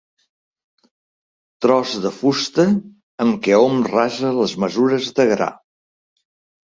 Tros de fusta amb què hom rasa les mesures de gra.